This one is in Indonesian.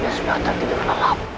dia sudah tertidur lelap